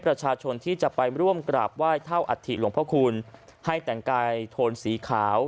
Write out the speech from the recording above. ประชาชนที่จะไปร่วมกราบไหว้เท่าอัฐิหลวงพระคุณให้แต่งกายโทนสีขาว